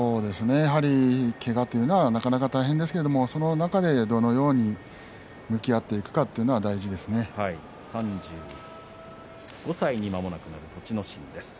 けがというのはなかなか大変ですけれどもその中でどのように向き合っていくかというのは３５歳にまもなくなる栃ノ心です。